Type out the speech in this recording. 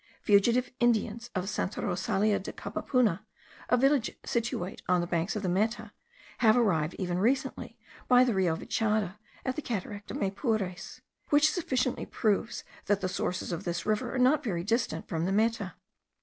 Fugitive Indians of Santa Rosalia de Cabapuna, a village situate on the banks of the Meta, have arrived even recently, by the Rio Vichada, at the cataract of Maypures; which sufficiently proves that the sources of this river are not very distant from the Meta.